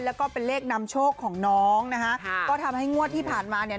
แล้วก็เป็นเลขนำโชคของน้องนะคะก็ทำให้งวดที่ผ่านมาเนี่ย